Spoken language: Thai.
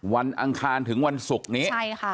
วันอังคารถึงวันศุกร์นี้